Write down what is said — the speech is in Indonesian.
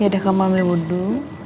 ya udah kamu mau mewudu